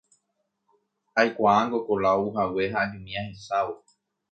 Aikuaángo Kola ouhague ha ajumi ahechávo.